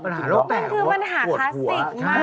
คือปัญหาคลาสสิกมาก